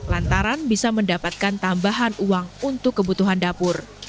lantaran bisa mendapatkan tambahan uang untuk kebutuhan dapur